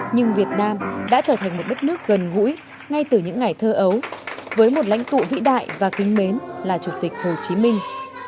nhưng việt nam đã trở thành một đất nước gần gũi ngay từ những ngày thơ ấu với một lãnh tụ vĩ đại và kính mến là chủ tịch hồ chí minh